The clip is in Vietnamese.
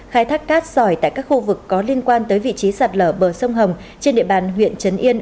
khai thác cát sỏi tại các khu vực có liên quan tới vị trí sạt lở bờ sông hồng trên địa bàn huyện trấn yên